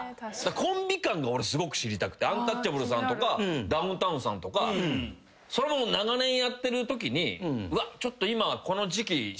コンビ間が俺すごく知りたくてアンタッチャブルさんとかダウンタウンさんとか長年やってるときにうわっちょっと今。